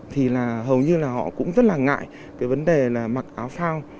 thì là hầu như là họ cũng rất là ngại cái vấn đề là mặc áo phao